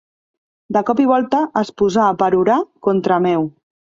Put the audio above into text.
De cop i volta, es posà a perorar contra meu.